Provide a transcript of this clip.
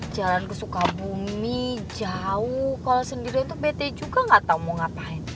jalanku suka bumi jauh kalau sendirian tuh bete juga gak tau mau ngapain